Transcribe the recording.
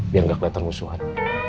biar gak keliatan musuhan